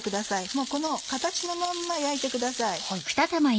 もうこの形のまんま焼いてください。